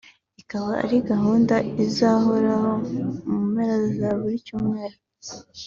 ikaba ari gahunda izahoraho mu mpera za buri cyumweru